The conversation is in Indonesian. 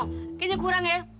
kayaknya kurang ya